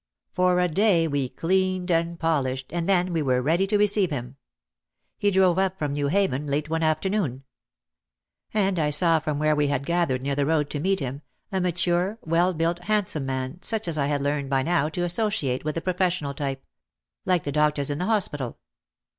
For a day we cleaned and polished and then we were ready to receive him. He drove up from New Haven late one afternoon. And I saw from where we had gathered near the road to meet him, a mature, well built, handsome man such as I had learned by now to asso ciate with the professional type — "like the doctors in the hospital."